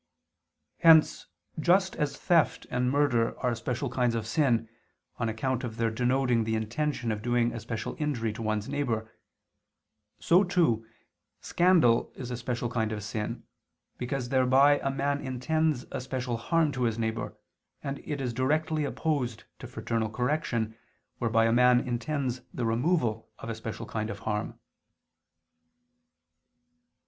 Hence, just as theft and murder are special kinds of sin, on account of their denoting the intention of doing a special injury to one's neighbor: so too, scandal is a special kind of sin, because thereby a man intends a special harm to his neighbor, and it is directly opposed to fraternal correction, whereby a man intends the removal of a special kind of harm.